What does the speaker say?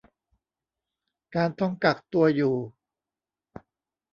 การต้องกักตัวอยู่